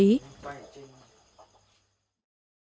huyện điện biên đông đã đề nghị và chờ các sở ban ngành vào kiểm tra